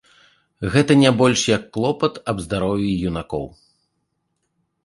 Гэта не больш як клопат аб здароўі юнакоў.